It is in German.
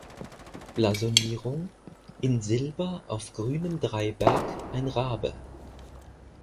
Blasonierung: "In Silber auf grünem Dreiberg ein Rabe.